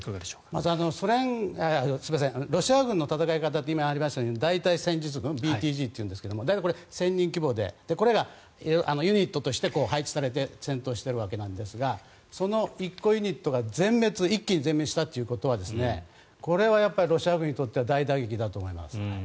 まずロシア軍の戦い方って今ありましたように大隊戦術群ＢＴＧというんですがこれが１０００人規模でユニットとして配置されて戦闘しているわけですがその１個ユニットが一気に全滅したということはロシア軍にとっては大打撃だと思います。